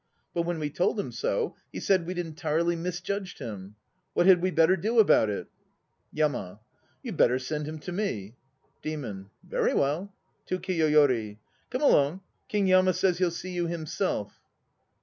But when we told him so, he said we'd entirely misjudged him. What had we better do about it? YAMA. You'd better send him to me. DEMON. Very well. (To KIYOYORI.) Come along, King Yama says he'll see you himself.